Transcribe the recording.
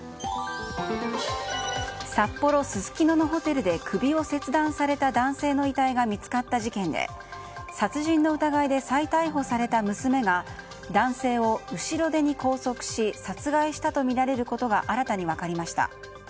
札幌・すすきののホテルで首を切断された男性の遺体が見つかった事件で殺人の疑いで再逮捕された娘が男性を後ろ手に拘束し殺害したとみられることが新たに分かりました。